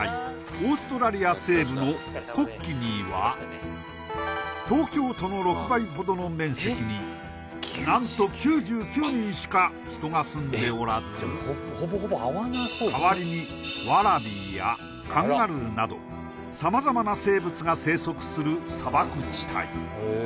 オーストラリア西部のコッキニーは東京都の６倍ほどの面積に何と９９人しか人が住んでおらず代わりにワラビーやカンガルーなど様々な生物が生息する砂漠地帯